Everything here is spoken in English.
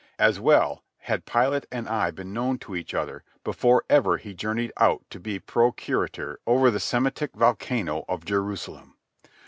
As well had Pilate and I been known to each other before ever he journeyed out to be procurator over the Semitic volcano of Jerusalem.